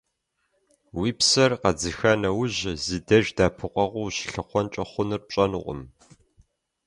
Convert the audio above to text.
Уи псэр къэдзыха нэужь, зи деж дэӀэпыкъуэгъу ущылъыхъуэнкӀэ хъунур пщӀэнукъым.